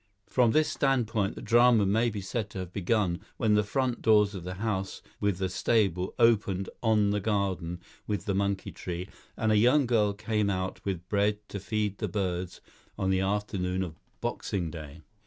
From this standpoint the drama may be said to have begun when the front doors of the house with the stable opened on the garden with the monkey tree, and a young girl came out with bread to feed the birds on the afternoon of Boxing Day.